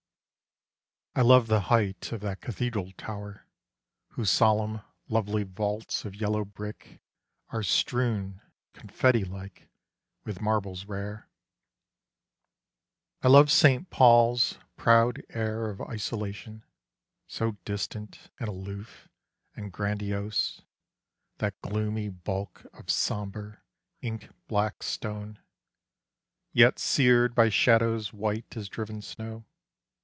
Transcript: — I love the height of that cathedral tower Whose solemn lovely vaults of yellow brick Are strewn, confetti like, — with marbles rare. 20 London. I love St. Paul's proud air of isolation — So distant and aloof and grandiose — That gloomy bulk of sombre ink black stone Yet sear'd by shadows white as driven snow.